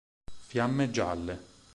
Fiamme Gialle.